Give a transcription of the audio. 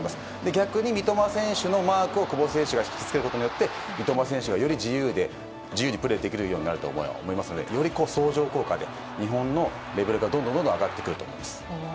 逆に三笘選手のマークを久保選手がひきつけることによって三笘選手がより自由にプレーできるようになると思いますのでより相乗効果で日本のレベルがどんどん上がってくると思います。